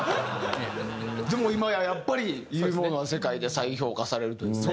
でも今ややっぱりいいものは世界で再評価されるというね。